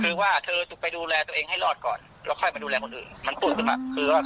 คือว่าเธอไปดูแลตัวเองให้รอดก่อนแล้วค่อยมาดูแลคนอื่น